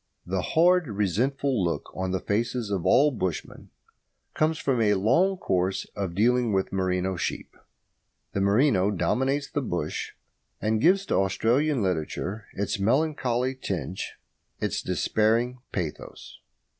The hard, resentful look on the faces of all bushmen comes from a long course of dealing with merino sheep. The merino dominates the bush, and gives to Australian literature its melancholy tinge, its despairing pathos.